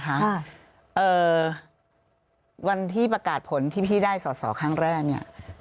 ค่ะเอ่อวันที่ประกาศผลที่พี่ได้สอสอครั้งแรกเนี่ย